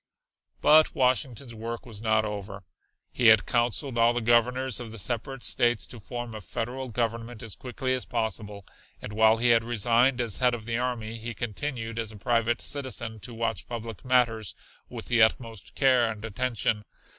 But Washington's work was not over. He had counseled all the Governors of the separate States to form a Federal Government as quickly as possible, and while he had resigned as head of the army, he continued, as a private citizen, to watch public matters with the utmost care and attention.